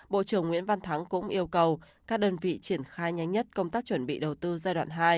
bộ trưởng nguyễn văn thắng cũng yêu cầu các đơn vị triển khai nhanh nhất công tác chuẩn bị đầu tư giai đoạn hai